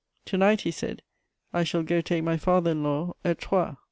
"To night," he said, "I shall go to take my father in law at Troyes."